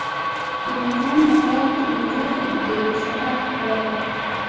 د مرغانو ږغ د سهار ښکلا ده.